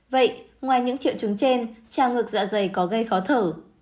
vậy ngoài những triệu chứng trên trào ngược dạ dày có gây khó thở